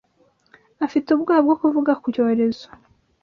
Afite ubwoba bwo kuvuga ku icyorezo